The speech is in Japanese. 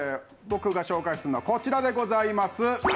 僕が紹介するのはこちらでございます。